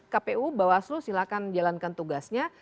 kpu bawaslu silahkan jalankan tugasnya